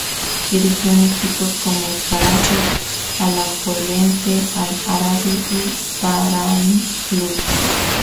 Dirigió en equipos como el Caracas, Alajuelense, Al-Arabi y Bahrain Club.